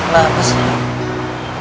loh apa sih